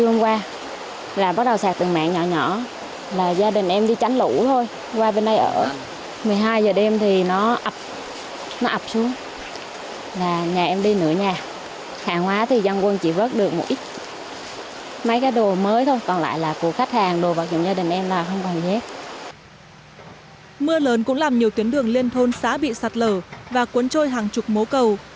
mưa lớn cũng làm nhiều tuyến đường liên thôn xã bị sạt lở và cuốn trôi hàng chục mố cầu